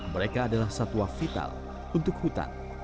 mereka adalah satwa vital untuk hutan